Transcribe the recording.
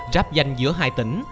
ráp danh giữa hai tỉnh